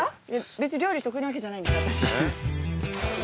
別に料理得意なわけじゃないんです私。